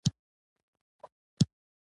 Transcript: پیلوټ د هوا د رطوبت اندازه کوي.